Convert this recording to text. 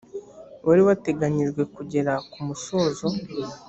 wari wateganyijwe kugera kumusozo